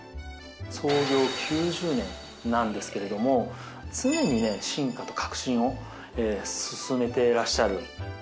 創業９０年なんですけれども、常に進化と革新を進めてらっしゃる。